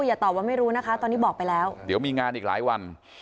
อย่าตอบว่าไม่รู้นะคะตอนนี้บอกไปแล้วเดี๋ยวมีงานอีกหลายวัน